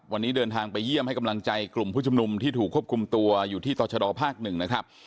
วันนี้เดินทางไปเยี่ยมให้กำลังใจกลุ่มผู้ชุมนุมที่ถูกควบคุมตัวอยู่ที่ตรชดภาคหนึ่งนะครับ